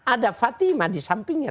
ada fatimah disampingnya